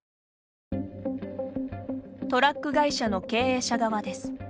トラック会社の経営者側です。